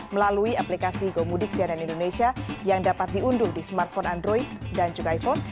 melalui aplikasi gomudik cnn indonesia yang dapat diunduh di smartphone android dan juga iphone